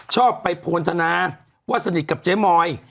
ชอบไปโพนทนาว่าสนิทกับเจ๊มอย